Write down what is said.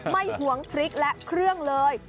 หวงพริกและเครื่องเลย